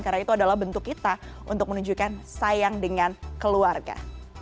karena itu adalah bentuk kita untuk menunjukkan sayang dengan keluarga